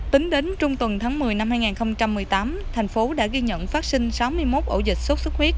tính đến trung tuần tháng một mươi năm hai nghìn một mươi tám thành phố đã ghi nhận phát sinh sáu mươi một ổ dịch sốt xuất huyết